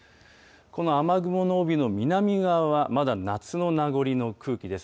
この雨雲の帯の南側は、まだ夏の名残の空気です。